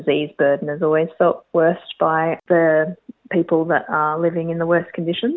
jelas penurangan penyakit selalu terasa teruk oleh orang orang yang hidup di kondisi teruk